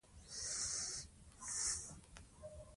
دوی کولای شي اقتصاد ته وده ورکړي.